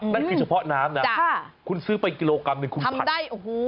นั่นคือเฉพาะน้ำนะคุณซื้อไปกิโลกรัมหนึ่งคุณผัดได้โอ้โห